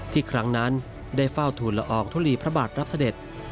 ครั้งนั้นได้เฝ้าทูลละอองทุลีพระบาทรับเสด็จ